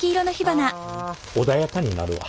穏やかになるわ。